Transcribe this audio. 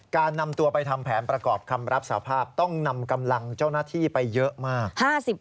การนำตัวไปทำแผนประกอบคำรับสาภาพต้องนำกำลังเจ้าหน้าที่ไปเยอะมาก